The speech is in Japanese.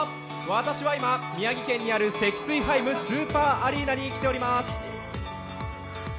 私は今、宮城県にあるセキスイハイムスーパーアリーナにきております。